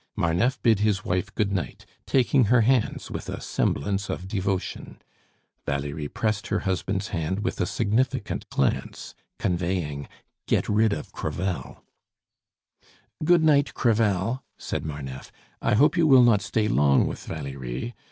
Marneffe bid his wife good night, taking her hands with a semblance of devotion. Valerie pressed her husband's hand with a significant glance, conveying: "Get rid of Crevel." "Good night, Crevel," said Marneffe. "I hope you will not stay long with Valerie.